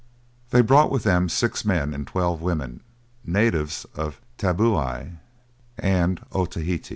They brought with them six men and twelve women, natives of Tabouai and Otaheite.